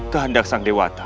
kehandak sang dewata